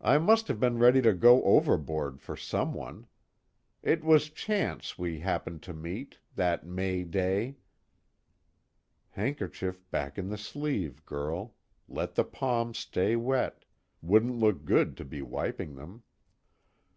I must have been ready to go overboard for someone. It was chance we happened to meet, that May day." _Handkerchief back in the sleeve, girl let the palms stay wet, wouldn't look good to be wiping them.